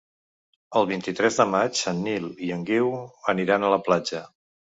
El vint-i-tres de maig en Nil i en Guiu aniran a la platja.